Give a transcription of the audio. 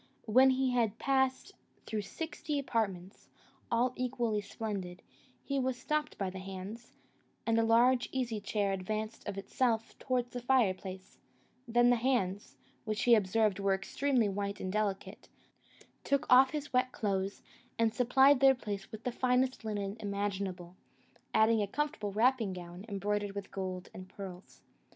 When he had passed through sixty apartments, all equally splendid, he was stopped by the hands, and a large easy chair advanced of itself towards the fireplace; then the hands, which he observed were extremely white and delicate, took off his wet clothes, and supplied their place with the finest linen imaginable, adding a comfortable wrapping gown, embroidered with gold and pearls.